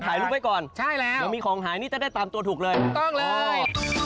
หายรูปไว้ก่อนยังมีของหายนี่จะได้ตามตัวถูกเลยต้องเลยอ๋อ